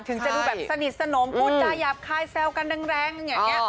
ถึงจะดูแบบสนิทสนมพูดจาหยาบคายแซวกันแรงอย่างนี้